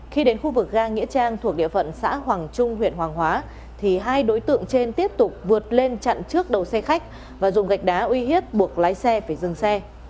khi đến khu vực ga nghĩa trang thuộc địa phận xã hoàng trung huyện hoàng hóa thì hai đối tượng trên tiếp tục vượt lên chặn trước đầu xe khách và dùng gạch đá uy hiếp buộc lái xe phải dừng xe